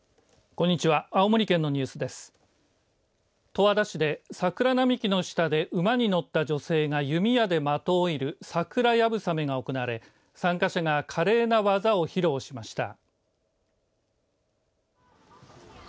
十和田市で桜並木の下で馬に乗った女性が弓矢で的を射る桜流鏑馬が行われ参加者が華麗な技を披露しました。